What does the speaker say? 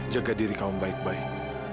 jaga diri kaum baik baik